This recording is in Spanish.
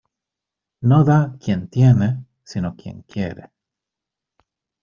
No da quien tiene, sino quien quiere.